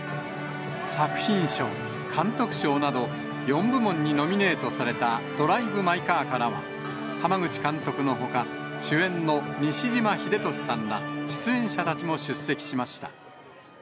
作品賞、監督賞など、４部門にノミネートされたドライブ・マイ・カーからは、濱口監督のほか、主演の西島秀俊さんら、出演者たちも出席しました。